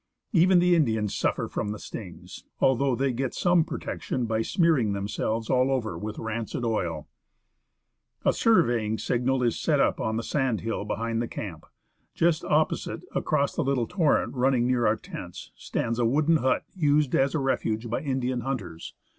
Even the Indians suffer from the stings, although they get some protection by smearing themselves all over with rancid oil. STRAWBERRIES IN FLOWER, NEAR THE FIRST CAMP. A surveying signal is set up on the sand hill behind the camp ; just opposite, across the little torrent running near our tents, stands a wooden hut, used as a refuge by Indian hunters.